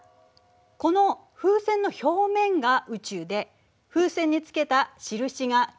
この風船の表面が宇宙で風船につけた印が銀河だと思ってね。